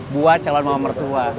buat calon mama mertua